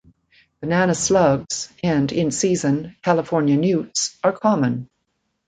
Banana slugs and, in season, California newts are common.